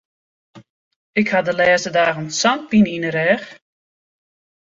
Ik ha de lêste dagen sa'n pine yn de rêch.